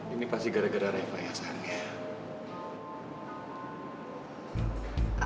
ini pasti gara gara repah yang sayangnya